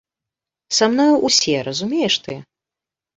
Са мною ўсе, разумееш ты?